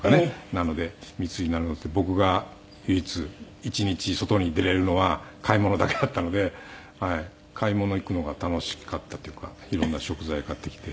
なので密になるので僕が唯一一日外に出れるのは買い物だけだったので買い物行くのが楽しかったというか色んな食材買ってきて。